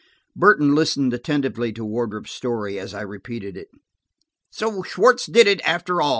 Burton listened attentively to Wardrop's story, as I repeated it. "So Schwartz did it, after all!"